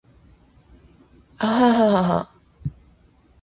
زه برېښنالیک لیږم